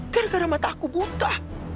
gara gara mata aku buta